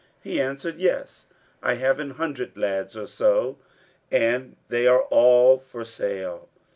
He answered, 'Yes, I have an hundred lads or so and they are all for sale.'